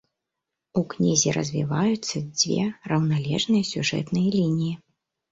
У кнізе развіваюцца дзве раўналежныя сюжэтныя лініі.